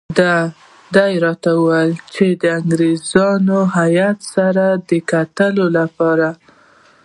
ده راته وویل چې د انګریزي هیات سره د کتلو لپاره.